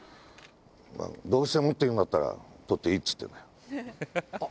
どうしてもって言うんだったら撮っていいっつってんだよ。